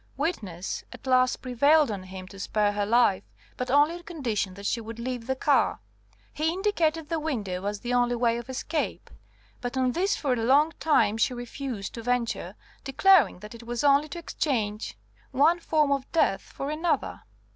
"Witness at last prevailed on him to spare her life, but only on condition that she would leave the car. He indicated the window as the only way of escape; but on this for a long time she refused to venture, declaring that it was only to exchange one form of death for another.